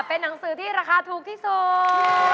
เป็นหนังสือที่ราคาถูกที่สุด